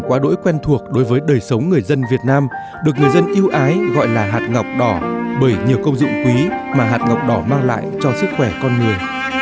quá đổi quen thuộc đối với đời sống người dân việt nam được người dân yêu ái gọi là hạt ngọc đỏ bởi nhiều công dụng quý mà hạt ngọc đỏ mang lại cho sức khỏe con người